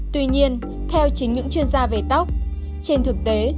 tuy nhiên theo chính những chuyên gia về tóc trên thực tế